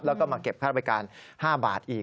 แล้วก็มาเก็บค่าบริการ๕บาทอีก